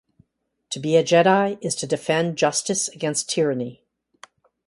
To be a Jedi is to defend justice against tyranny.